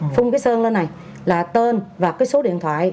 phung cái sơn lên này là tên và cái số điện thoại